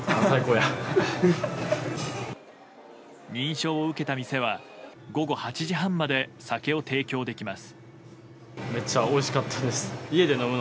認証を受けた店は午後８時半まで酒を提供できます。